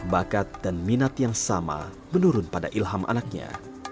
bakat dan minat yang sama menurun pada ilham anaknya